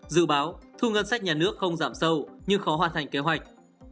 dự báo thu ngân sách nhà nước không giảm sâu nhưng khó hoàn thành kế hoạch